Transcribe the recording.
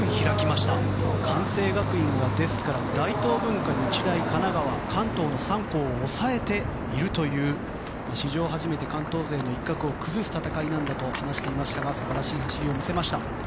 ですから関西学院は大東文化、日大、神奈川の関東の３校を抑えているという史上初めて関東勢の一角を崩す戦いだと話していましたが素晴らしい走りを見せました。